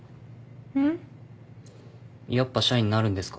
んっ？やっぱ社員なるんですか？